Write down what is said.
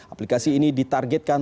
aplikasi ini ditargetkan